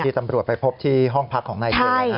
ที่จำรวจไปพบที่ห้องพักของในเจ